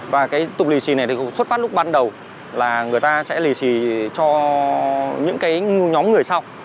và cái tục lì xì này thì cũng xuất phát lúc ban đầu là người ta sẽ lì xì cho những cái nhóm người sau